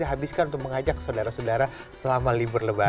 habiskan untuk mengajak saudara saudara selama libur lebaran